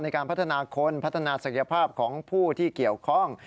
ในการพัฒนาคนพัฒนาศักยภาพของผู้ที่เกี่ยวข้อง